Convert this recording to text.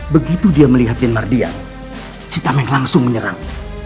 begitu dia melihatnya mardian kita langsung menyerang